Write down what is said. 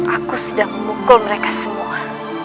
aku sudah memukul mereka semua